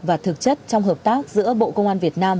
và thực chất trong hợp tác giữa bộ công an việt nam